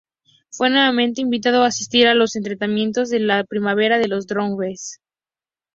Fue nuevamente invitado a asistir a los entrenamientos de primavera de los Dodgers.